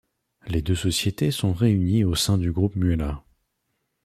Les deux sociétés sont réunies au sein du groupe Muela.